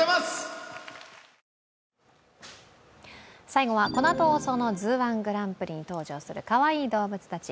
最後はこのあと放送の「ＺＯＯー１グランプリ」に登場するかわいい動物たち。